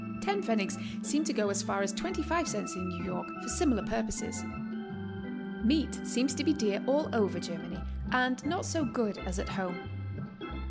Ten pfennigs seem to go as far as 25 cents in New York for similar purposes. Meat seems to be dear all over Germany, and not so good as at home.